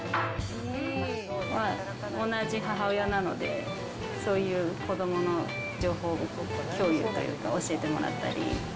同じ母親なので、そういう子どもの情報を共有というか、教えてもらったり。